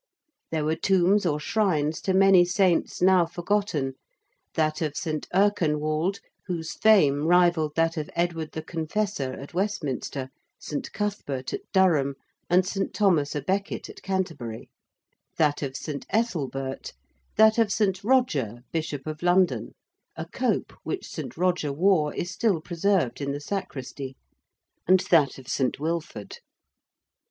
There were tombs or shrines to many saints now forgotten that of St. Erkenwald, whose fame rivalled that of Edward the Confessor at Westminster, St. Cuthbert at Durham, and St. Thomas à Becket at Canterbury: that of St. Ethelbert: that of St. Roger, Bishop of London a cope which St. Roger wore is still preserved in the Sacristy: and that of St. Wilford.